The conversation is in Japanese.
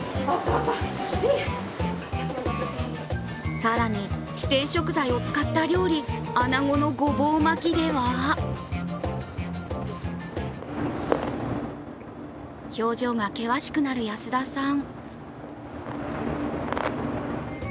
更に指定食材を使った料理、あなごのごぼう巻きでは表情が険しくなる安田さん。